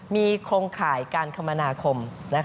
มีโครงข่ายการคมนาคม